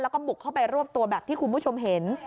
แล้วก็บุกเข้าไปรวบตัวแบบที่คุณผู้ชมเห็น